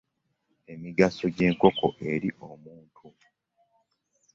Emigaso gy'enkoko eri omuntu.